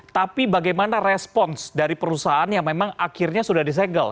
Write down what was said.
tapi bagaimana respons dari perusahaan yang memang akhirnya sudah disegel